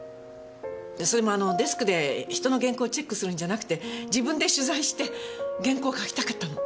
それもあのデスクで人の原稿をチェックするんじゃなくて自分で取材して原稿書きたかったの！